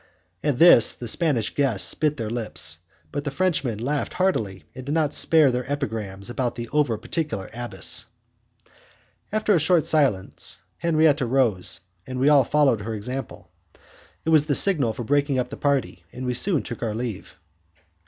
At this the Spanish guests bit their lips, but the Frenchmen laughed heartily, and did not spare their epigrams against the over particular abbess. After a short silence, Henriette rose, and we all followed her example. It was the signal for breaking up the party, and we soon took our leave.